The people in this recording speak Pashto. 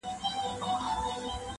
که سړی هر څه ناروغ وو په ځان خوار وو -